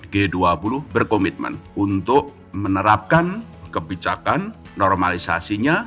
g dua puluh berkomitmen untuk menerapkan kebijakan normalisasinya